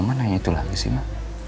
kok mama nanya itu lagi sih ma